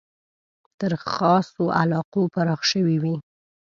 تر خاصو علاقو پراخ شوی وي.